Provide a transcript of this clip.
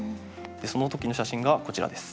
その時の写真がこちらです。